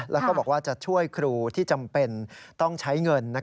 แล้วก็บอกว่าจะช่วยครูที่จำเป็นต้องใช้เงิน